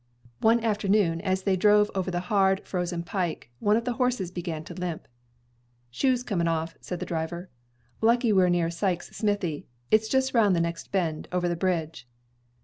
One afternoon, as they drove over the hard, frozen pike, one of the horses began to limp. "Shoe's comin' off," said the driver. "Lucky we're near Sikes's smithy. It's jes' round the next bend, over the bridge."